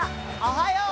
おはよう！